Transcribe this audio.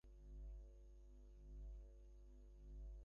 সময় চলে গেল, অতিথি এল না।